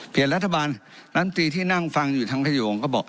รัฐบาลลำตีที่นั่งฟังอยู่ทางพระโยงก็บอก